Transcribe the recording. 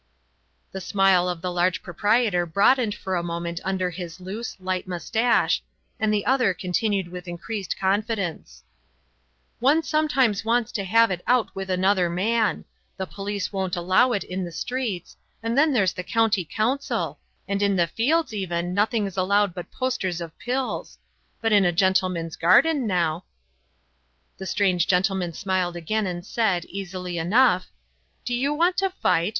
The smile of the large proprietor broadened for a moment under his loose, light moustache, and the other continued with increased confidence: "One sometimes wants to have it out with another man. The police won't allow it in the streets and then there's the County Council and in the fields even nothing's allowed but posters of pills. But in a gentleman's garden, now " The strange gentleman smiled again and said, easily enough: "Do you want to fight?